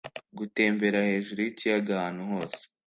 gutembera hejuru yikiyaga ahantu hose